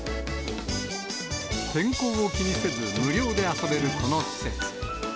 天候を気にせず無料で遊べるこの施設。